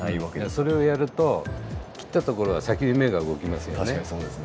それをやると切った所が先に芽が動きますよね。